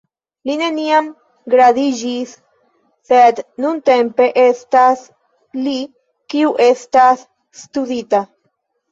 Li neniam gradiĝis, sed nuntempe estas li kiu estas studita.